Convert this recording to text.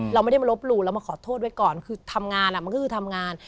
เราไม่ได้มาลบหลู่เรามาขอโทษไว้ก่อนคือทำงานมันก็คือทำงาน